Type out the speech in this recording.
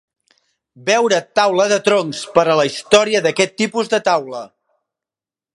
Veure taula de troncs per la història d'aquest tipus de taula.